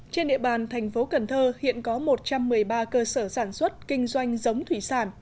trên địa bàn thành phố cần thơ hiện có một trăm một mươi ba cơ sở sản xuất kinh doanh giống thủy sản